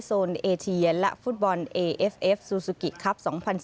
โซนเอเชียและฟุตบอลเอเอฟเอฟซูซูกิครับ๒๐๑๙